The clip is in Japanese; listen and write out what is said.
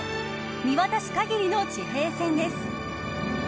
見渡す限りの地平線です。